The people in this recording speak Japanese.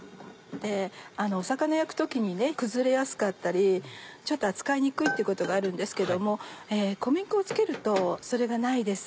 魚焼く時に崩れやすかったりちょっと扱いにくいってことがあるんですけども小麦粉を付けるとそれがないです。